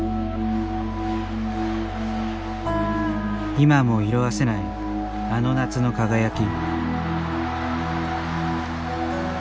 今も色あせないあの夏の輝き。